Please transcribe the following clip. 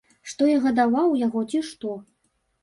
Што я гадаваў яго, ці што?